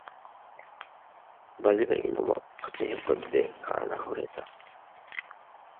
ބަލިވެއިނުމަށް ފަސޭހަކޮށްދޭ ކާނާ ހުރޭތަ؟